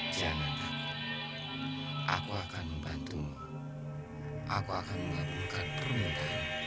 jangan takut aku akan membantumu aku akan mengabungkan permintaanmu